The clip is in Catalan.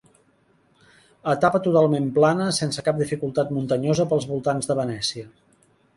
Etapa totalment plana, sense cap dificultat muntanyosa pels voltants de Venècia.